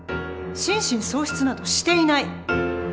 心神喪失などしていない！